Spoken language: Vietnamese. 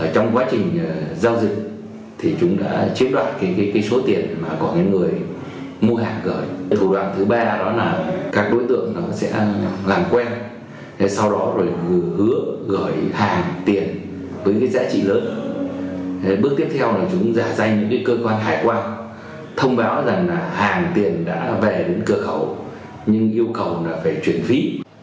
trong quá trình giao dịch thì chúng đã chiếm đoạt số tiền mà có người mua hàng gửi thủ đoạn thứ ba đó là các đối tượng sẽ làm quen sau đó hứa gửi hàng tiền với giá trị lớn bước tiếp theo là chúng ra danh những cơ quan hải quan thông báo rằng hàng tiền đã về đến cửa khẩu nhưng yêu cầu phải chuyển phí